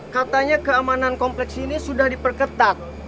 katanya keamanan kompleks ini sudah diperketat